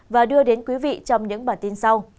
và đưa đến quý vị trong những bản tin sau